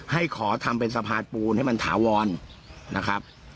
ให้ขอทำเป็นสะพานปูนให้มันถาวรนะครับ